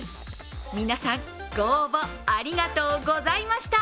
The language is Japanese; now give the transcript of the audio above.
皆さん、ご応募ありがとうございました！